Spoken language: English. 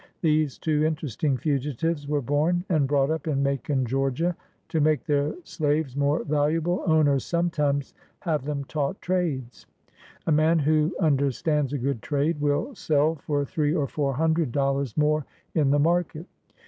These two inter esting fugitives were born and brought up in Macon, Ga. To make their slaves more valuable, owners some times have them taught trades. A man who under stands a good trade will sell for three or four hundred dollars more in the market.